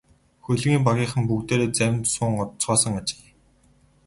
Хөлгийн багийнхан бүгдээрээ завинд суун одоцгоосон ажээ.